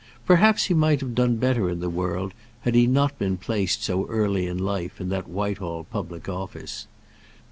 Perhaps he might have done better in the world had he not been placed so early in life in that Whitehall public office.